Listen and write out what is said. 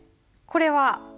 これは？